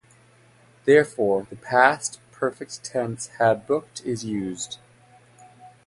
Therefore, the past perfect tense "had booked" is used.